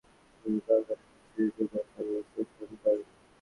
যে শব্দ অন্য শব্দকে বিশদ বা সীমিত আকারে বিশেষিত করে তাকে বিশেষণ বলে।